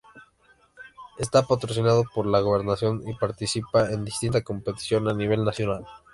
Está patrocinado por la Gobernación y participa en distintas competiciones a nivel nacional.